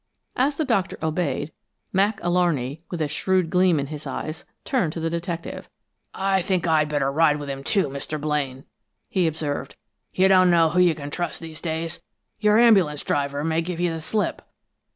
As the Doctor obeyed, Mac Alarney, with a shrewd gleam in his eyes, turned to the detective. "I think I'd better ride with him, too, Mr. Blaine," he observed. "You don't know who you can trust these days. Your ambulance driver may give you the slip."